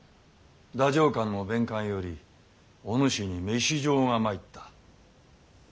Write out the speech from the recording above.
太政官の弁官よりお主に召状が参った。